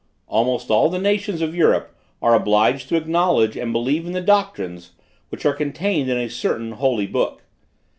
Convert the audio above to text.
"Almost all the nations of Europe are obliged to acknowledge and believe in the doctrines, which are contained in a certain 'holy book.'